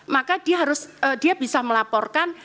maka dia harus dia bisa melaporkan